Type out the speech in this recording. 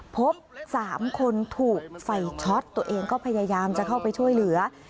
พบ๓คนถูกไฟช็อตตัวเองก็พยายามจะเข้าไปช่วยเหลือ